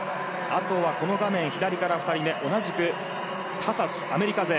あとは、この画面左から２人目同じくカサス、アメリカ勢。